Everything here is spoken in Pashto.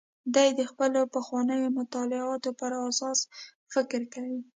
دی د خپلو پخوانیو مطالعاتو پر اساس فکر کوي.